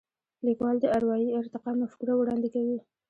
لیکوال د اروايي ارتقا مفکوره وړاندې کوي.